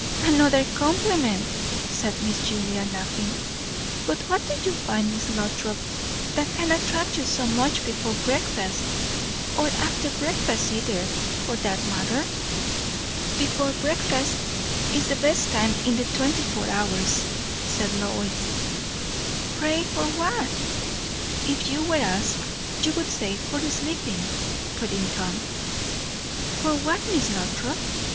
"Another compliment!" said Miss Julia, laughing. "But what do you find, Miss Lothrop, that can attract you so much before breakfast? or after breakfast either, for that matter?" "Before breakfast is the best time in the twenty four hours," said Lois. "Pray, for what?" "If you were asked, you would say, for sleeping," put in Tom. "For what, Miss Lothrop?